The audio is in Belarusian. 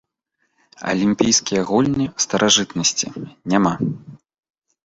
Алімпійскія гульні старажытнасці, няма.